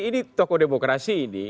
ini tokoh demokrasi ini